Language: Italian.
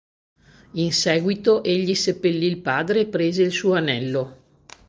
In seguito egli seppellì il padre e prese il suo Anello.